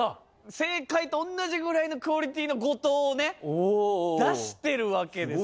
正解と同じぐらいのクオリティーの誤答をね出してるわけですね。